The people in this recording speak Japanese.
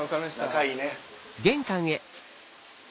「仲いい」ね。